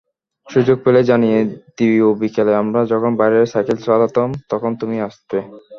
সুযোগ পেলে জানিয়ে দিয়োবিকেলে আমরা যখন বাইরে সাইকেল চালাতাম, তখন তুমি আসতে।